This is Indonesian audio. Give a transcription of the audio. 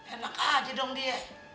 enak aja dong dia